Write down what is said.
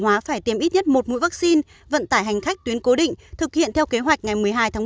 hóa phải tiêm ít nhất một mũi vaccine vận tải hành khách tuyến cố định thực hiện theo kế hoạch ngày